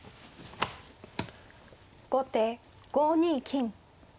後手５二金。